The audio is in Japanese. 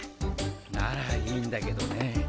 ならいいんだけどね。